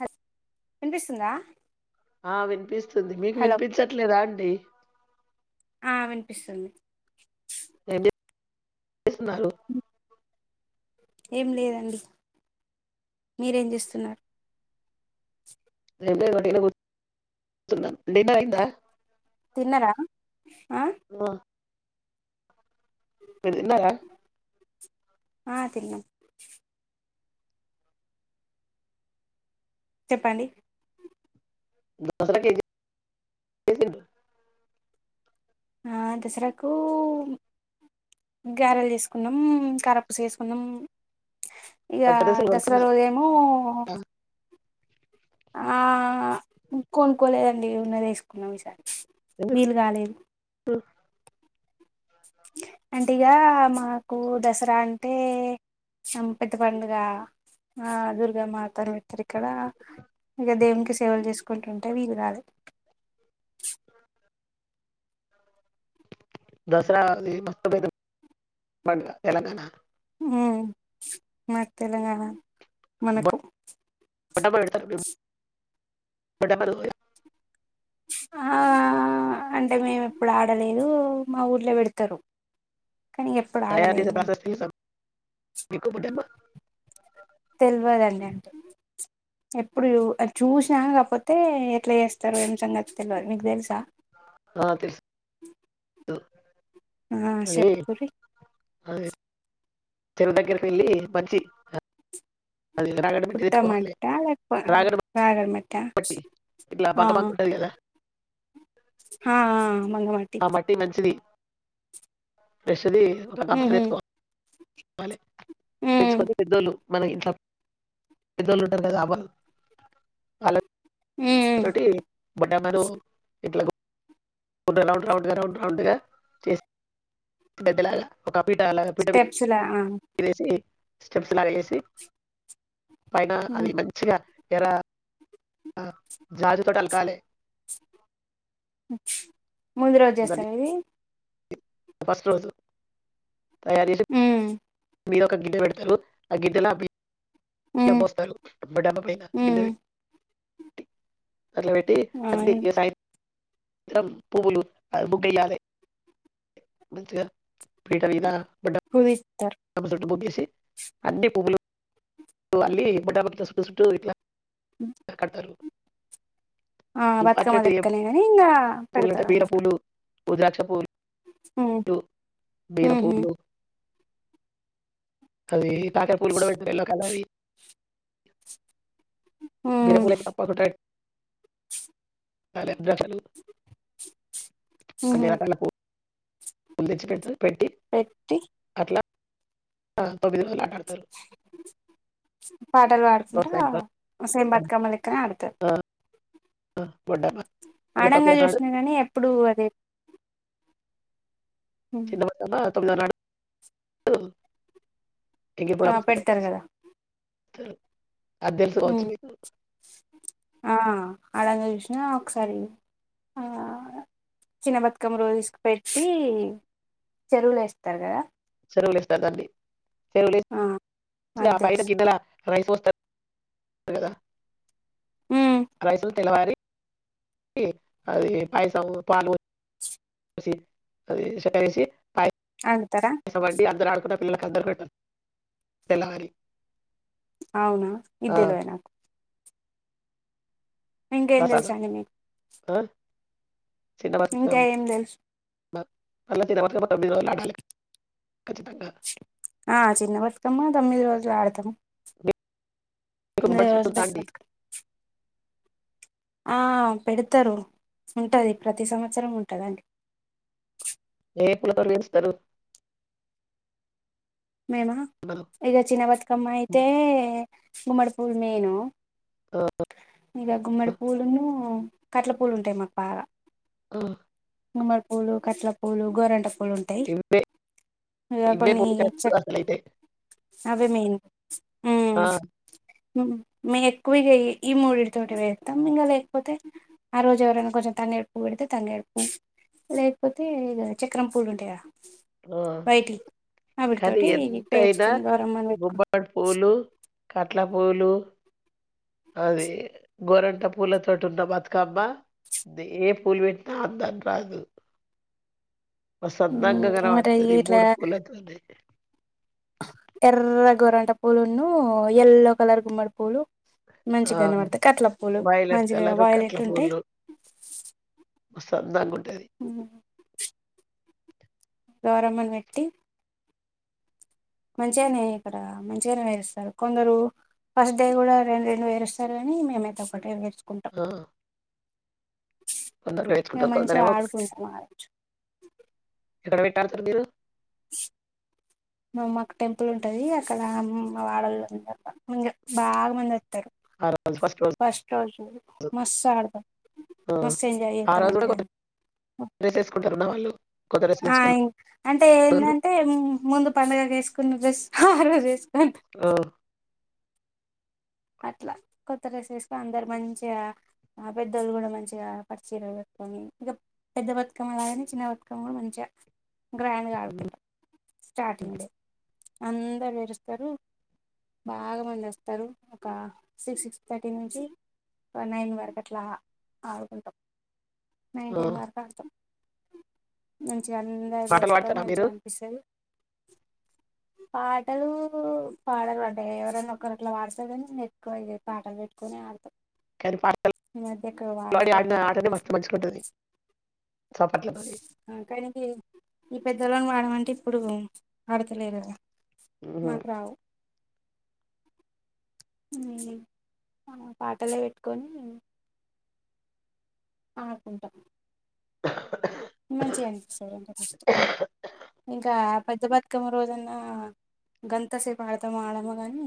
Hello వినిపిస్తుందా ఆ వినిపిస్తుంది మీకు హలో వినిపించట్లేదా అండి ఆ వినిపిస్తుంది సున్నారు ఏం లేదండి మీరేం చేస్తున్నారు [unintelligible] డిన్నరయిందా తిన్నర ఓ మీరు తిన్నారా ఆ తిన్నాం చెప్పండి దసరా కేజ్ ఏంచేసిండ్రూ ఆ దసరాకు గారెలు చేసుకున్నాం కార పూస వేసుకున్నాం ఇక కొత్త డ్రెస్సులు దసరా కొనుక్కున్నారా రోజేమో ఆ కొనుక్కోలేదండి ఉన్నది వేసుకున్నమ్ ఈ సారి ఎందుకు వీలు కాలేదు అంటే ఇగా మాకు దసరా అంటే పెద్ద పండుగ ఆ దుర్గా మాతను పెడతారు ఇక్కడ ఇక దేవునికి సేవలు చేసుకుంటు ఉంటే వీలుకాలే దసరా మ తెలంగాణ [unintelligible] ఉ మా తెలంగాణ మనకు బొడ్డమ్మ పెడతారు మీరు [unintelligible] ఆ అంటే మేము ఇప్పుడు ఆడలేదు మా ఊర్లో పెడతారు కానీ ఎప్పుడు ఆడలేదు నేను తయారకుట్ట ఎప్పుడూ తెల్వదండి అంటే ఎప్పుడు చూ చూసినా కాకపోతే ఎట్లా చేస్తారుో ఏం సంగతి తెలియదు మీకు తెలుసా ఆ తెల్సు ఆ అది సెప్పురి అది చెరువు దగ్గరికి వెళ్ళి మంచి అది రాగడి మట్టి పుట్ట తెచ్చుకోవాలి మట్ట లేక రేగడ మ పట్టి గ్లాబాగా బట్టలేదా కధ ఆహా మంగమాటి ఫష్ ది ఒక కపలు ఉహు తెసుకోవాలిల ఉ తెచ్చుకతే పెద్దోళ్ళు మనకి ఇంట్లా పె ఉంటుంది కాబ అ ఉ చ బనామా డు రౌండ్ రౌండ్ రౌండ్ రౌండ్ గా చేసి పెద్దలాగా ఒక పీఠ అలా పీఠ స్టెప్స్ లా ఆ తినేసి స్టెప్స్ ఎలా కేసి పైన ఉమ్. అది మంచిగా ఎరా ఆ జాజు తోటలకాలే హమ్ ముందు రోజు చేస్తారు ఇది ఫస్ట్ రోజు తయారీలు ఉ మీరు ఒక గిద్ద పెడతారు ఆ గిడ్దలా ఉ బస్తడ్డబ పనా ఉ గిన్నెల అట్లా పెట్టి ఆ అంటే సా ఇ పూపులు బుగ దే మంచిగా పీట పలా హు విస్తర అట్ పగిసి అన్ని పులు అల్లి బట్ల చుట్ట చుట్టూ ఇట్లా కడతారు ఆ బతుకమ్మలు ఎక్కలే నని ఇంకా పూల అంటతే బీర పూలు ఉద్రాక్షపూల్ హ్మ్ టు హుహు. బీరపూలు అది దాక పూలు కూడా పెడతారు ఎల్లో కలర్ వి బీర హ్మ్. పూలు అయితే తప్పకుంటాయి సరే పది హుహు. గంటలకు పూలు తెచ్చి పెడతాది పెట్టి పెట్టి అట్లా ఆ పాటల్ పాడుకుంటా సేమ్ బతుకమ్మ లెక్కనే ఆడతర్ అ ఆడంగా చూసిన కానీ ఎప్పుడూ అది హ్మ్. చిన్న పందన్న [unintelligible] ఆ [unintelligible] పెడతారు కదా! త అది తెలుసుకోవచ్చు హ్మ్. మీకు ఆ! ఆడంగా చూసినా ఒకసారి ఆ చిన్న బతుకమ్మ రోజేస్కిపెట్టి చెరువుల ఎస్తరు కదా చెరువులు ఇస్తారుదండి ఆ! అది తెలుసు. [unintelligible] రైసు వస్తరు కదా హ్మ్. రైసులు తినవారి అది పాయసము పాలు అసి అది‌‌ చెక్కరేసి పాయ ఆడుతారా? ఏవండీ అందరూ ఆడుకుంటారు పిల్ల కద్దరు కడతారు తెల్లవారి అవునా ఇది ఆ, తెల్వదు నాకు ఇంకేం ప్రసాదం తెల్సండి మీక్. ఆ, చిన్న ఇంకా బతుకమ్మ ఏం తెల్సు, మళ్ళీ చిన్న బతుకమ్మ తొమ్మిది రోజులు ఆడాలి ఖచ్చితంగా ఆ చిన్న బతుకమ్మా తొమ్మిది రోజుల్ ఆడ్త్. కదా. మీకు గుమ్మడి చెట్టు [unintelligible] ఉందా పెద్ద అండి బతకమ్మ్. ఆ పెడ్తారు ఉంటది, ప్రతి సంవత్సరం ఉంటదండి. ఏ పూలతోని చేస్తారు. మేమా, ఇగ చిన్న బతుకమ్మ అయితే. గుమ్మడి పూల్ మేను. ఆ, ఇగ గుమ్మడి పూలూన్ను. కట్ల పూలుంటయ్, మాక్ బాగ. ఆ. గుమ్మడి పూలు, కట్ల పూలు, గోరెంట పు. లు ఉంటాయి. ఇవే ఇగ ఇవే కొన్ని పూలు చేస్తారు చక్ అసలు అయితే అవే మేన్. ఆ. ఉమ్‌, మే ఎక్కువ చేయ్యి, ఈ మూడిటితోటి పేర్తం, ఇంగ లేకపోతే ఆ రోజు ఎవరైనా కొంచెం తంగేడు పువ్వు పెడితే, తంగేడు పువ్వు. లేకపోతే ఇగ, చక్రం పూలుంటైగా. ఆ కానీ వాటితోటి ఎంత అయినా, పేర్చుకొని గౌరమ్మని పెట్టుకో గుమ్మడ్ పూలు. కట్ల పూలు. అది. గోరంట పూలతోటి ఉన్న బతుకమ్మ, దే ఏ పూలు పెట్టినా అందం రాదు. మస్త్ ఉమ్, అందంగా మరి గానపడ్తాది, ఇట్లా మూడు పూలతోనే. ఎర్ర గోరంట పూలున్ను, ఎల్లోకలర్ గుమ్మడి పూలు. ఆ, మంచిగాన్పడతాయి కట్ల పూలు, వైలెట్ మంచిగా కలరు వైలెట్ ఉంటాయి. మస్త్ అందంగున్. ఉమ్. గౌరమ్మని వేట్టి. మంచిగానే ఇక్కడ మంచిగానే పేరుస్తారు. కొందరు ఫస్ట్ డే గుడా రెండు, రెండు పేరుస్తారు కాని, మేమైతే ఒకటే పేర్చూ. ఆ. కొందరు [unintelligible] ఇక కుంటారు, కొందరు మంచిగా ఏమో. [unintelligible] ఆడుకుంటాం ఆడ ఎక్కడ బెట్టి ఆడ్తారు మీరు. మా మాకు టెంపుల్ ఉంటది, అక్కడ మా వాడల్లో [unintelligible] బాగా మంది అచ్. తరూ. ఆ రోజు రోజు ఫస్ట్ రోజు మస్త్ ఆడతాం, ఆ మస్తు ఎంజాయ్ ఆ చేస్తాం రోజు కూడా అంటే కొత్త ఆ. డ్రెస్ వేసుకుంటారు ఉన్న వాళ్ళు. కొత్త డ్రెస్ ఆ ఇన్ అంటే తెచ్చుకున్నోళ్ళు ఏందంటే, ముందు పండుగ జేసుకున్న డ్రెస్. [unintelligible] రెస్ ఓ అట్లా కొత్త డ్రెస్సులో అందరు మంచిగా పెద్దోళ్ళు కూడా మంచిగా పట్టుచీర పెట్టుకొని ఇక పెద్ద బతుకమ్మ అలాగానే చిన్న బతుకమ్మ కూడా మంచిగా గ్రాండగా ఉమ్, అడుకుంటా స్టార్టింగ్లో అందరు వరుస్తారు బాగా మందు వెస్తారు ఒక సిక్స్ సిక్స్ థర్టీ నుంచి ఒక నైన్ వరకు అట్లా ఆడుకుంటాం ఆ నైన్ంటైన్ వరకు అతం అ [unintelligible] మంచి అందరు పాటలు వస్తారు పాడతారా మీరు మంచిగా అనిపిస్తుంది పాటలు పాడలు అంటే ఎవరైనా ఒకరుట్లాడుత నెట్టు పాట పెట్టుకొని ఆడతాం కానీ పాటలు మదక్క పాడి వాట ఆడిన ఆటనే మస్తు మంచిగుంటది చప్పట్లతోని కానీ ఈ పెద్ద వాడ అంటే ఇప్పుడు ఆడతలే ఉహు. మకురావు పాటలే పెట్టుకొని అనుకుంటాను మంచిగ అనిపిస్తాది అంటే ఫస్ట్ ఇంకా పెద్ద బతుకమ్మ రోజన్న గంతసేపు ఆడతాము ఆడమో గాని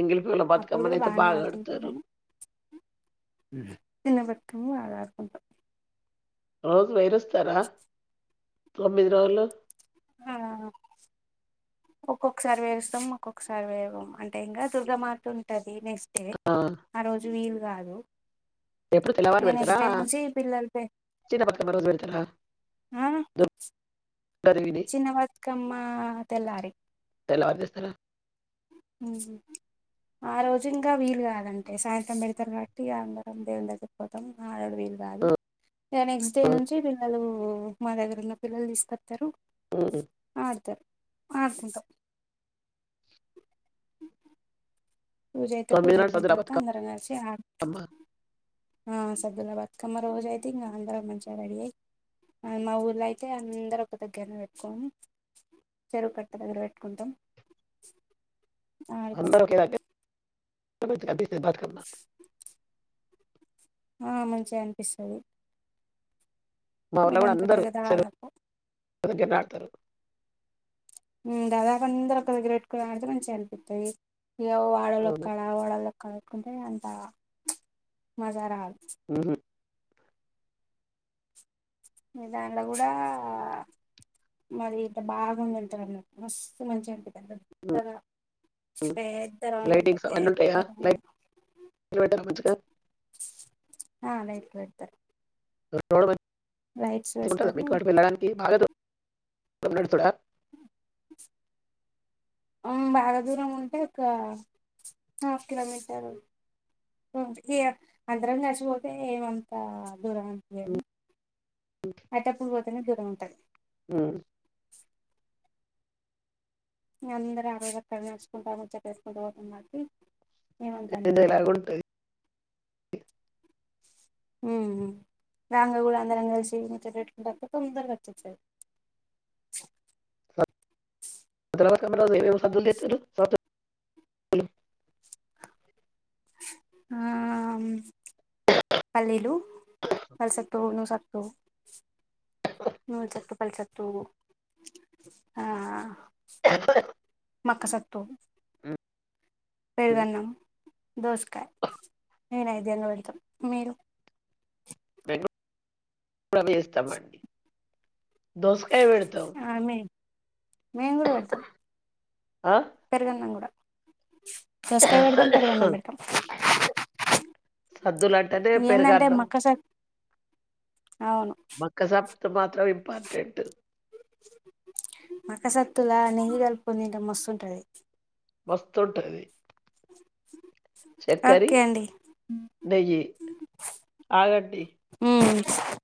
ఎంగెలి పిల బతుకమ్మని అయితే బాగా ఆడుకుంటాం ఆడతారు కానీ చిన్న బతుకమ్మ అడా అడ్డుకుంటాం రాజు వైరస్ త్తర తొమ్మిది రోజులు ఆ ఒక్కొక్కసారి వేస్తాం ఒక్కొక్కసారి వేయం అంటే ఇంకా దుర్గామాత ఉంటది నెక్స్ట్ డే ఆ ఆ రోజు వీలు కాదు ఎప్పుడు తెల్లవారు ఇక పెడతారా నెక్స్ట్ డే నుంచి పిల్లలు చిన్న బతుకమ్మ రోజు పెడతారా ఆ దుర్గాదేవిని చిన్న బతుకమ్మ తెల్లారి తెల్లారి తేస్తారా ఆ రోజు ఇంకా వీలు కాదంటే సాయంత్రం పెడతారుబట్టి అందరం దేవుని దగ్గరికి పోతాం ఆడది కాదు ఆ ఇకా నెక్స్ట్ డే ఆ. నుంచి పిల్లలు ఓ మా దగ్గరన్న పిల్లలు తీకోస్త తారు హ్మ్. ఆడతారు అడుకుంటాం పూజ అయితే తొమ్మిది పూజ నాడు అయిపోయిన సందులో తర్వాత బతుకమ్మ అందరంగాలిసి ఆ మ్ సద్దుల బతుకమ్మ రోజు అయితే ఇంకా అందరూ మంచిగా రెడీ అయ్యి, మా ఊర్లో అయితే అందర ఒక దగ్గర పెట్టుకోము చెరువు కట్ట దగ్గర పెట్టుకుంటాం. ఆకం అందరూ ఒకే దగ్గర [unintelligible] మ్ మంచిగా అనిపిస్తుంది మాఊళ కూడా అందరు దాదాపు దగ్గర ఆడతారు మ్ దాదాపుందర ఒక దగ్గర పెట్కుని ఆడితే మంచిగా కనిపిస్తాయి ఇ అవును వాడలోక్కడ వాడ కలుపుకుంటే అంత మజా రా ఆహా మీదాంలో కూడా మది ఇట్ బాగుందింటారు, మస్తు మంచిగా అం పెద్ద గ ఉహు. పెద్ద రౌండ్ ఉంటది లైటింగ్స్ అవన్నీ ఉంటాయా పెద్ద లైటింగ్ పెట్టారు మంచిగా అ [unintelligible] లైట్స్ పెడతారు [unintelligible] [unintelligible] ఆ బాగా దూరం ఉంటే ఒక హాఫ్ కిలోమీటర్ అందరం కలిసిపోతే ఏమంతా గుర హ్మ్. అట పూర్వ [unintelligible] ఉంటాయి మ్ అందర ఆరక్కడ నేర్చుకుంటా ము చెప్పేసుకుంటూ పోతం మకి ఏమంత ఎంజాయ్ అనిపియదు లాగా ఉంటుంది హు హు దాంగగూళ అందరంగలిసి [unintelligible] తొందరగా వచ్చేతది [unintelligible] [inaudible] [unintelligible] ఆ పలీలు కల్సక్తు ను సక్త [inaudible] న చెక్క పల్ చెక్క హు ఆ [unintelligible] మకసతు పెరుగు అన్నాం దోస నేను ఐదంగా పెడతాను మీరు [inaudible] ప్ర వేస్తామండి ఆ మేము కూడా పెతం ఆ పెరుగన్నాం కూడా దోసకాయ పెడదాం పెరుగన్నం పెడతాం సద్దులు అంటేనే ఏందంటే పెరుగన్నాం మక్క సత్ అవును మక్కస మాత్రం ఇంపార్టెంట్ మక్కసత్తుల నెయ్యి గలుపూకుంటే మస్తు వస్తుంటుది. మస్తుంటది ఓకే అండి నెయ్యి ఆగండి